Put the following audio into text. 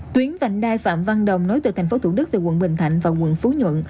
tuyến vạnh đai phạm văn đồng nối từ tp thủ đức về quận bình thạnh và quận phú nhuận